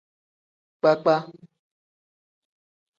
Kpakpa.